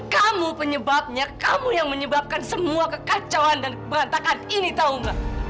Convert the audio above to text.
kamu penyebabnya kamu yang menyebabkan semua kekacauan dan keberantakan ini tahu nggak